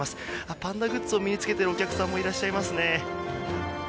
パンダグッズを身に着けているお客さんもいらっしゃいますね。